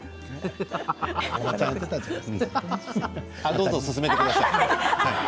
どうぞ進めてください。